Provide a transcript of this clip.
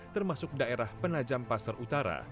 termasuk daerah penajam pasar utara